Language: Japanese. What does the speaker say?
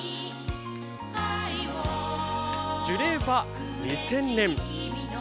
樹齢は２０００年。